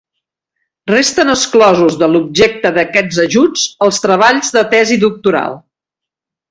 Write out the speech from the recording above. Resten exclosos de l'objecte d'aquests ajuts els treballs de tesi doctoral.